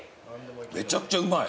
めちゃくちゃうまい。